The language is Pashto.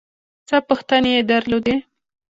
څه پوښتنې یې درلودې.